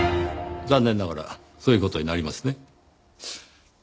残念ながらそういう事になりますね。